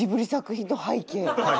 はい。